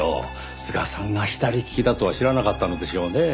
須賀さんが左利きだとは知らなかったのでしょうねぇ。